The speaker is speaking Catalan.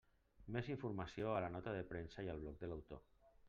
Més informació a la nota de premsa i el bloc de l'autor.